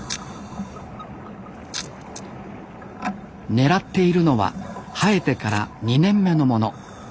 狙っているのは生えてから２年目のもの。